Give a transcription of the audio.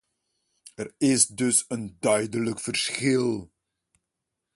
Er is dus een duidelijk verschil.